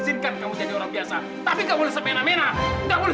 selamat pak sampi